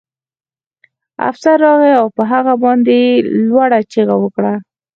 افسر راغی او په هغه باندې یې لوړه چیغه وکړه